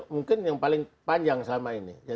mungkin yang paling panjang selama ini